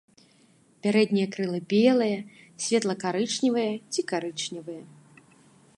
Пярэднія крылы белыя, светла-карычневыя ці карычневыя.